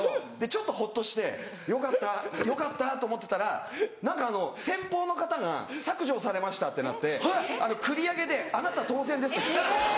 ちょっとほっとしてよかったよかったと思ってたら何かあの先方の方が削除されましたってなって繰り上げであなた当選ですって来ちゃったんですよ。